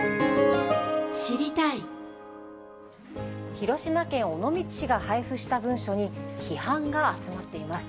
広島県尾道市が配布した文書に批判が集まっています。